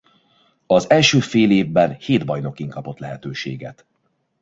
Az első fél évében hét bajnokin kapott lehetőséget.